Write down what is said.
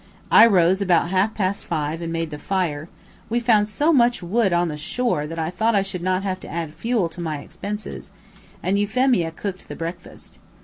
I rose about half past five and made the fire, we found so much wood on the shore, that I thought I should not have to add fuel to my expenses, and Euphemia cooked the breakfast.